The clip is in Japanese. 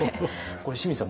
これ清水さん